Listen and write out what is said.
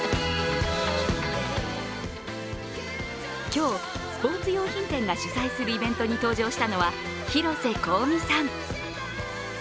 今日、スポーツ用品店が主催するイベントに登場したのは広瀬香美さん。